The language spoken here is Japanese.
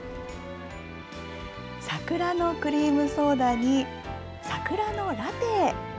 桜のクリームソーダに桜のラテ。